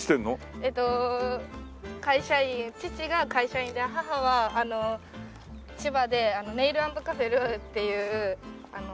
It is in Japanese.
えっと父が会社員で母は千葉でネイル＆カフェルアウっていうレストランを。